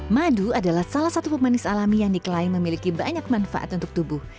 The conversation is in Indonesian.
madu adalah salah satu pemanis alami yang diklaim memiliki banyak manfaat untuk tubuh